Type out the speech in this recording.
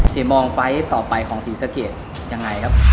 สิ่งมองไฟล์ต่อไปของ๔สเทียดยังไงครับ